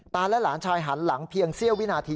และหลานชายหันหลังเพียงเสี้ยววินาที